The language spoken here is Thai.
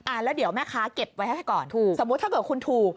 แล้วเดี๋ยวแม่ค้าเก็บไว้ให้ก่อนถูกสมมุติถ้าเกิดคุณถูก